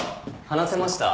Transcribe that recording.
話せました？